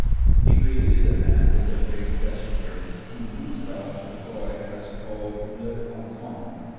He created the man with the vague gesture whom Gustave Geffroy has called "Le Passant".